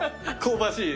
香ばしい。